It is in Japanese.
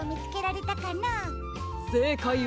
せいかいは。